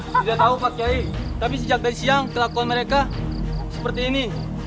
tidak tahu pak kiai tapi sejak dari siang kelakuan mereka seperti ini